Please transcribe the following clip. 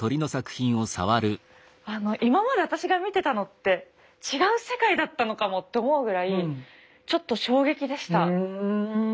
今まで私が見てたのって違う世界だったのかもって思うぐらいちょっと衝撃でした。